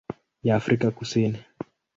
ya Afrika Kusini.